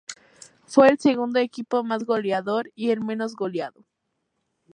Fue el segundo equipo más goleador y el menos goleado.